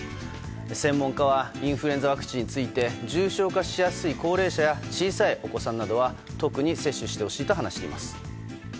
専門家は、インフルエンザワクチンについて重症化しやすい高齢者や小さいお子さんなどは特に接種してほしいと話しています。